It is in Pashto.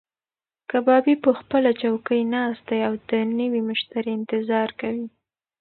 کبابي په خپله چوکۍ ناست دی او د نوي مشتري انتظار کوي.